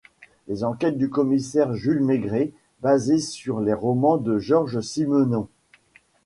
Les enquêtes du commissaire Jules Maigret, basées sur les romans de Georges Simenon.